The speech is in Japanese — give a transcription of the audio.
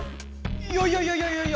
いやいやいやいやいやいや！